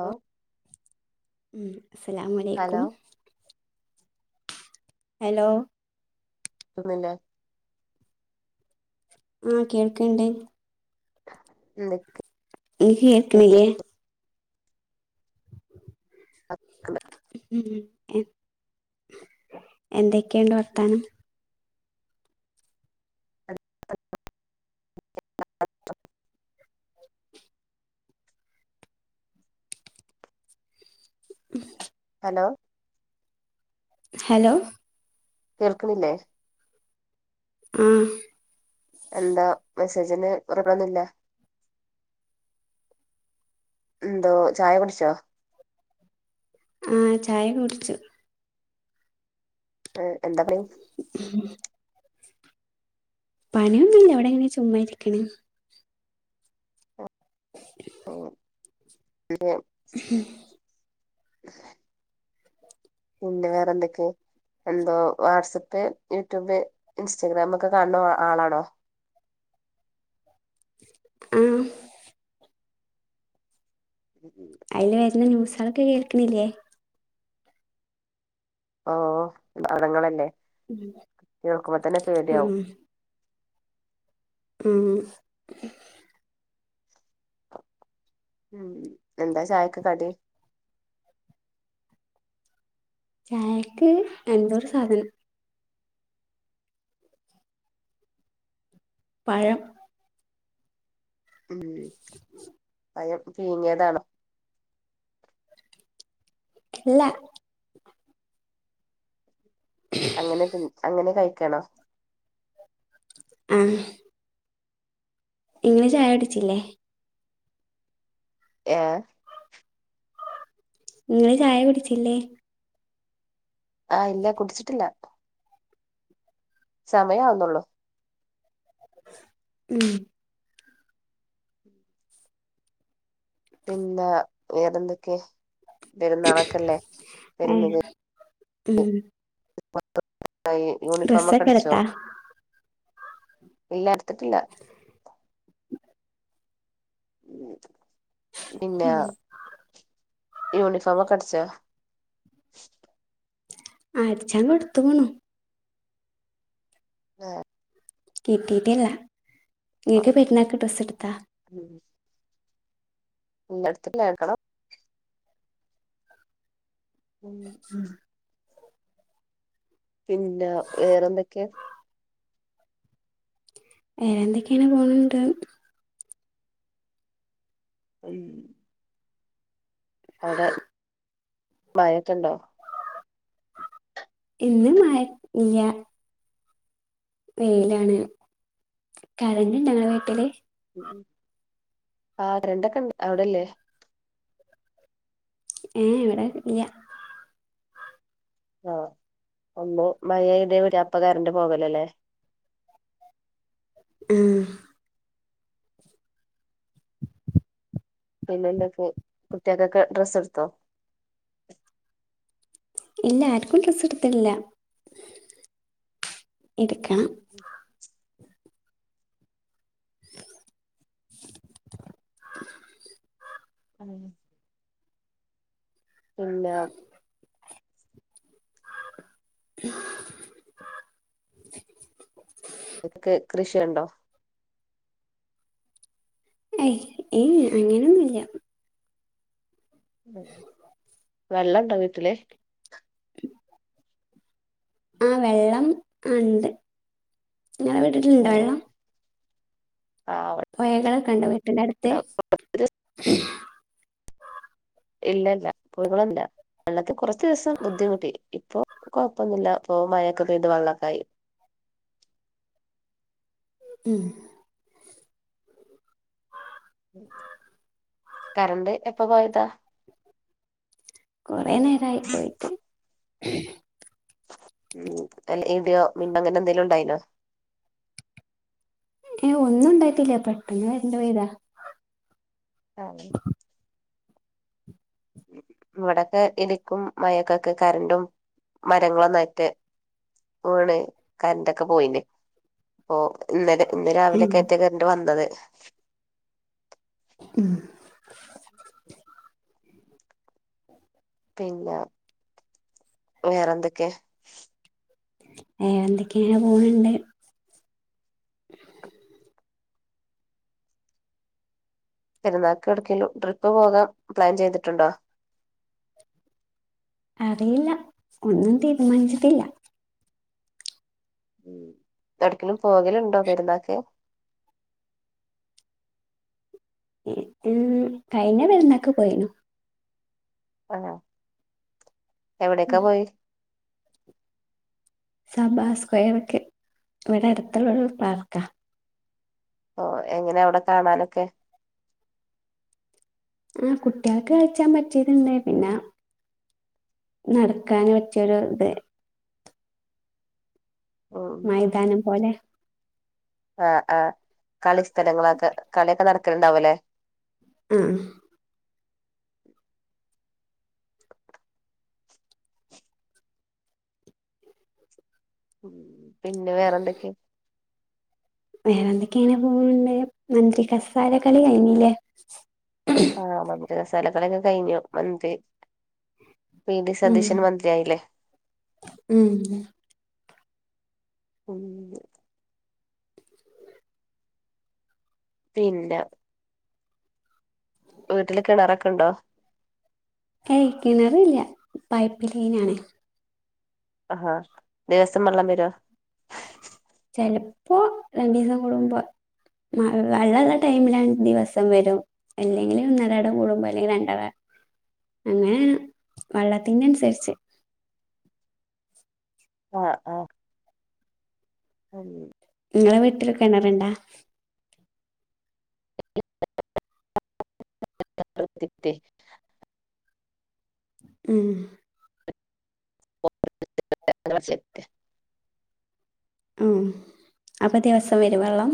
Hello. ഉം അസലാം hello അലൈക്കും. ഹലോ. ഒട്ടന്നില്ല [unintelligible] ആഹ് കേൾക്ക്ണ്ട്. ഉ ഇങ്ങക്ക് കേൾക്കണില്ലേ? ഉം എന്തൊക്കെയുണ്ട് വർത്താനം? [inaudible] ഉം. ഹലോ. ഹലോ. കേൾക്കണില്ലേ? ആഹ് എന്താ മെസ്സേജിന് [unintelligible] എന്തോ ചായ കുടിച്ചോ? ആഹ് ചായ കുടിച്ചു. ഏ [unintelligible] പണയൊന്നുമില്ല എവിടെ എങ്ങനെ ചുമ്മാ ഇരിക്കണ്. ഉം, [unintelligible] പിന്നെ വേറെ എന്ത്ക്ക? എന്തോ വാട്സപ്പ് യൂട്യൂബ് ഇൻസ്റ്റഗ്രാം ഒക്കെ കാണുന്ന ആളാണോ? [inaudible] ആഹ്. ഉം. അതിൽ വരുന്ന ന്യൂസളൊക്കെ കേൾക്കണില്ലേ? ഓ മടങ്ങളല്ലേ, കേക്കുമ്പോ തന്നെ പേടിയാവും. ഉം. ഉം എന്താ ചായക്ക് കടി? ചായക്ക് എന്തോ ഒരു സാധനം. പഴം ഉം പയം പീങ്ങിയതാണോ അല്ല കണോ ആഹ ഇങ്ങള് ചായുടിച്ചില്ലേ ഏ നിങ്ങള് ചായ കുടിച്ചില്ലേ ആഹ് ഇല്ല കുടിച്ചിട്ടില്ല സമയവുന്നുള്ളൂ ഉം പിന്നാ വേറെന്തൊക്കെ പെരുന്നാൾ ഒക്കല്ലേ ഏഹ് വരുന്നത് ഉം [unintelligible] എന്തായി യൂണിഫോമൊക്കെ ഡ്രസ്സൊക്കെ അടിച്ചോ എടുത്താ ഇല്ല എടുത്തിട്ടില്ല ഉ പിന്നെ ആഹ് യൂണഫോമൊക്കെ അടിച്ചോ അടിച്ചാൻ കൊടുതുക്കുണു ആഹ കിട്ടീട്ടല്ല ഇങ്ങക് പെരുനാൾക് ഡ്രസ് എടുത്താ ഉം ഇല്ല എടുത്തട്ടില്ല എടുക്കണം ഉം പിന്നെ വേറെന്തൊക്കെ വേറെ എന്തൊക്കെയാണ് പോണണ്ട് അം അവിടെ മയക്കണ്ടോ ഇന്ന് മയ ഇല്ല വെയിലാണ് കറണ്ട്ഇണ്ട ഇങ്ങളെ വീട്ടില് ആ കരണ്ടൊക്കെണ്ട് അവിടല്ലേ ഏ എ എവിടെ ഇല്ല ആഹ ഒന്ന് മഴ പെയ്തമതി അപ്പോ കറണ്ട് പോകലോല്ലേ ആ പിന്നെ എന്തൊ കുട്ടികക്കൊക്കെ ഡ്രെസ് എടുത്തോ ഇല്ല ആർക്കും ഡ്രസ്സ് എടുത്തിട്ടില്ല എടുക്കണം [inaudible] [unintelligible] ഇല്ല [inaudible] [unintelligible] കൃഷിയുണ്ടോ ഏയ് ഏയ് അങ്ങനൊന്നുമല്ല ഉ വെള്ളം ഉണ്ടോ വീട്ടില് ആഹ വെള്ളം ആ ഉണ്ട് ഇങ്ങളെ ആ വീട്ടിലുണ്ടോ വെള്ളം ആ പുയകളൊക്കെണ്ടോ വീട്ടിന്റെ അടുത്ത് ഇല്ല ഇല്ല പുഴകളില്ല വെള്ളതിന് കുറച്ച്ദിവസം ബുദ്ധിമുട്ടി ഇപ്പൊ കൊഴപ്പൊന്നില്ല ഇപ്പ മഴൊക്കെ പെയ്ത് വെള്ളോക്കായി [inaudible] ഉം കറണ്ട് എപ്പ പോയതാ കൊറെേ നേരമായി പോയിട്ട് ഉം അല്ല ഇടിയോ മിന്ന അങ്ങനെ എന്തെങ്കിലും ഉണ്ടായിനോ ഏ ഒന്നും ഉണ്ടായിട്ടില്ല പെട്ടെന്ന് കറന്റ്‌ പയ്താ ആ ഇവിടെൊക്കെ ഇലിക്കും മഴൊക്കൊക്കെ കറൻറും മരങ്ങളും നറ്റ് ഓണ് കററൊക്കെ പോയിന് ഒ ഇന്നല ഇന്ന് ഉം രാവിലൊക്കെറ്റ കറൻ്റ് വന്നത് ഉം പിന്നെ വേറെന്തൊക്കെയാ ഏ എന്തൊക്കെയ [unintelligible] പെരുന്നാൾക്ക് എടക്കിലും ട്രിപ്പ് പോകാൻ പ്ലാൻ ചെയ്തിട്ടുണ്ടോ അറിയില്ല ഒന്നും തീരുമാനിച്ചിട്ടില്ല ഉ എടക്കിലും പോകലുണ്ടോ പെരുന്നാക്ക് [unintelligible] കഴിഞ്ഞ പേരുന്നൊക്കെ പോയിനു.... ആഹ എവിടെൊക്കെ പോയി സബാ സ്ക്വയർ ഒക്കെ ഇവിടെ അടുത്തുള്ളരു പാർക്കാ ഓ എങ്ങനെ അവിടെ കാണാനൊക്കെ ആഹ കുട്ടികൾക്ക് കലിച്ചാൻ പറ്റിയതുണ്ട് പിന്നെ നടക്കൻ പറ്റൊരു ഇത മൈതാനം പോലെ ആഹ ആഹ കളി സ്ഥലങ്ങളൊക്കെ കളിയൊക്കെ നടക്കലണ്ടാവും അല്ലേ മ്മ് പിന്നെ വേറെന്തൊക്കെ? വേറെന്തൊക്കെയിങ്ങനെ പോണ് മന്ത്രി കസാര കളി കഴിഞ്ഞില്ലേ? ആഹ് മന്ത്രി കസാല കളീക്കെ കഴിഞ്ഞു മന്ത്രി വി ഡി ഉം സതീശൻ മന്ത്രിയായില്ലേ? ഉം ഉം. പിന്ന വീട്ടില് കെണറക്കൊണ്ടോ? ഏയ് കിണറില്ല പൈപ്പ് ലൈനാണ്. ആഹാ ദെവസം വെള്ളം വരോ? ചെലപ്പോ രണ്ടീസം കൂടുമ്പ മൾ വെള്ള ഒള്ള ടൈമിലാണ് ദിവസം വരും അല്ലെങ്കില് ഒന്നിരാട കൂടുമ്പ അല്ലെങ്കിൽ രണ്ടട അങ്ങനെ വെള്ളത്തിന്റെ അനുസരിച്ച് ആഹ് ആഹ്. അത് ശെരി. നിങ്ങളെ വീട്ടില് കെണറിണ്ടാ? [unintelligible] ഉം. [unintelligible] ആഹ് അപ്പ ദിവസം വരോ വെള്ളം